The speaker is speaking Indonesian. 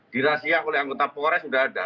dirahsiakan oleh anggota polres sudah ada